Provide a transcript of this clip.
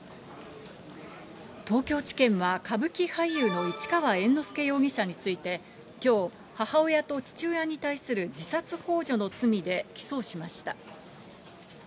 東京地検は歌舞伎俳優の市川猿之助容疑者についてきょう、母親と父親に対する自殺ほう助の罪で起訴しました。